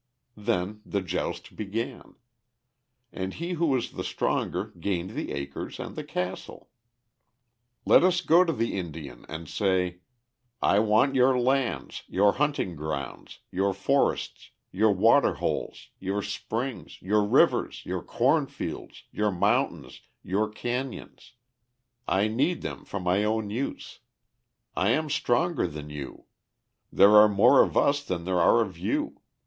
Then the joust began. And he who was the stronger gained the acres and the castle. Let us go to the Indian and say: "I want your lands, your hunting grounds, your forests, your water holes, your springs, your rivers, your corn fields, your mountains, your canyons. I need them for my own use. I am stronger than you; there are more of us than there are of you.